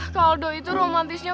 kak aldo itu romantisnya